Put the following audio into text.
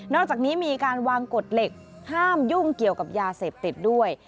อกจากนี้มีการวางกฎเหล็กห้ามยุ่งเกี่ยวกับยาเสพติดด้วย